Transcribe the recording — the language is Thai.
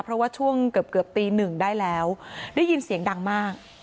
เพราะว่าช่วงเกือบเกือบตีหนึ่งได้แล้วได้ยินเสียงดังมาก